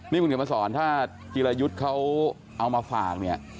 นี่คุณเขียนมาสอนถ้าจิรายุทธ์เขาเอามาฝากเนี่ย